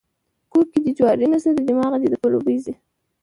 کور کې دې جواري نسته د دماغه دې د پلو بوی ځي.